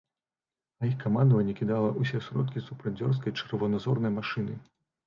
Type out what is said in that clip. А іх камандаванне кідала ўсе сродкі супраць дзёрзкай чырваназорнай машыны.